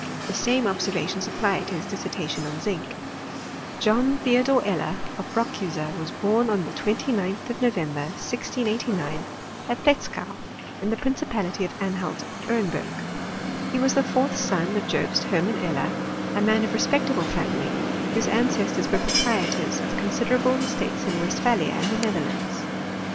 The same observations apply to his dissertation on zinc. John Theodore Eller, of Brockuser, was born on the 29th of November, 1689, at Pletzkau, in the prin cipality of Anhalt Bernburg. He was the fourth son of Jobst Hermann Eller, a man of a respectable family, whose ancestors were proprietors of consider able estates in Westphalia and the Netherlands.